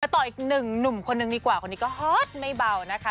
ต่ออีกหนึ่งหนุ่มคนนึงดีกว่าคนนี้ก็ฮอตไม่เบานะคะ